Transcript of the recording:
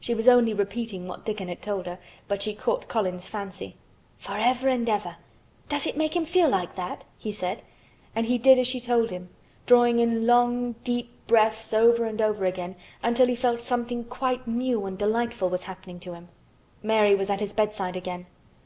She was only repeating what Dickon had told her, but she caught Colin's fancy. "'Forever and ever'! Does it make him feel like that?" he said, and he did as she told him, drawing in long deep breaths over and over again until he felt that something quite new and delightful was happening to him. Mary was at his bedside again.